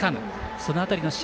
その辺りの試合